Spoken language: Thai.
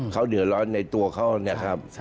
เขาเดือดร้อนในตัวเขานะครับ